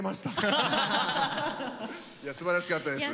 すばらしかったです。